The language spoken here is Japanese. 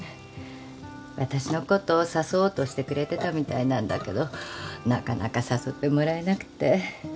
私のこと誘おうとしてくれてたみたいなんだけどなかなか誘ってもらえなくて。